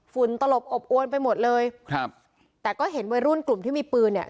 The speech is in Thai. ตลบอบอวนไปหมดเลยครับแต่ก็เห็นวัยรุ่นกลุ่มที่มีปืนเนี่ย